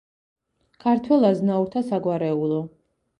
ქართველ აზნაურთა საგვარეულო.